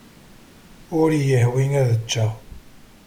Ur iyi-yehwi ad ččeɣ.